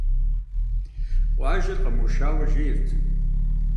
Къуажэр къэмыушауэ жейрт.